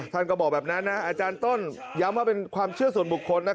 ท่านก็บอกแบบนั้นอาจารย์ต้นย้ำว่าเป็นความเชื่อส่วนบุคคล